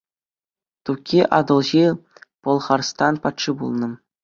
Тукки Атӑлҫи Пӑлхарстан патши пулнӑ.